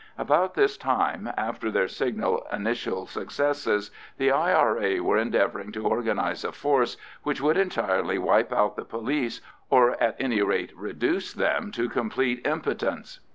About this time, after their signal initial successes, the I.R.A. were endeavouring to organise a force which would entirely wipe out the police, or at any rate reduce them to complete impotence.